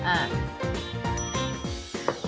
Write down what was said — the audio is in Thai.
อ่า